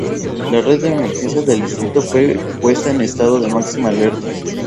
La red de emergencias del Distrito fue puesta en estado de máxima alerta.